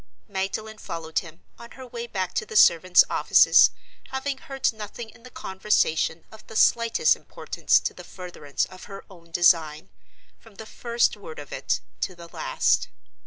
Magdalen followed him, on her way back to the servants' offices, having heard nothing in the conversation of the slightest importance to the furtherance of her own design, from the first word of it to the last.